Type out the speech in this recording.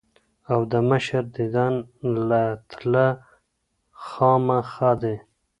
او د مشر ديدن له تلۀ خامخه دي ـ